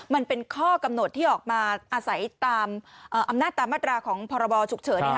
มันเป็นข้อกำหนดที่ออกมาอาศัยตามอำนาจตามมาตราของพรบฉุกเฉิน